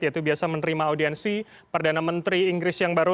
yaitu biasa menerima audiensi perdana menteri inggris yang baru